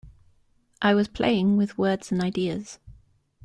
I was playing with words and ideas.